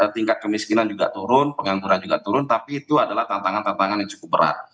tingkat kemiskinan juga turun pengangguran juga turun tapi itu adalah tantangan tantangan yang cukup berat